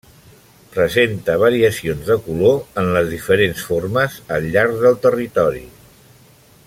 Presenta variacions de color en les diferents formes al llarg del territori.